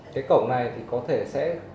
cái cổng này thì có thể sẽ